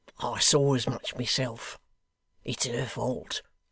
I saw as much myself. It's her fault.